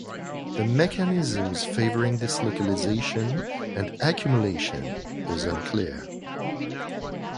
The mechanism(s) favoring this localization and accumulation is unclear.